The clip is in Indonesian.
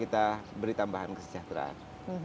kita beri tambahan kesejahteraan